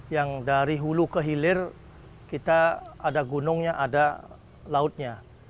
yang dari hulu ke hilir kita ada gunungnya ada lautnya